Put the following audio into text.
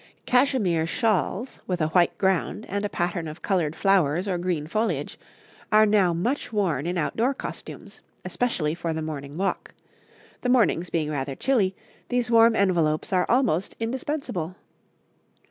'Cachemire shawls, with a white ground, and a pattern of coloured flowers or green foliage, are now much worn in outdoor costumes, especially for the morning walk; the mornings being rather chilly, these warm envelopes are almost indispensable.